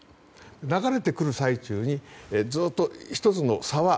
流れてくる最中にずっと１つの沢